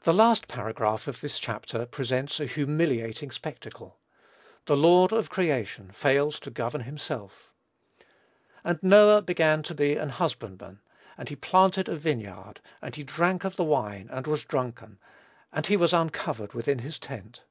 The last paragraph of this chapter presents a humiliating spectacle. The lord of creation fails to govern himself: "And Noah began to be an husbandman, and he planted a vineyard; and he drank of the wine, and was drunken; and he was uncovered within his tent."